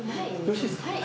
よろしいですか。